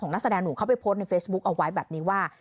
นักแสดงหนุ่มเขาไปโพสต์ในเฟซบุ๊คเอาไว้แบบนี้ว่า